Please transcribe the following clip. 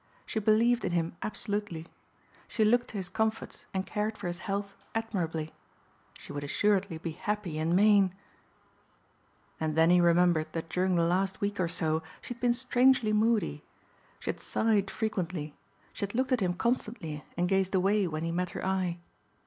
She believed in him absolutely. She looked to his comforts and cared for his health admirably. She would assuredly be happy in Maine. And then he remembered that during the last week or so she had been strangely moody. She had sighed frequently. She had looked at him constantly and gazed away when he met her eye.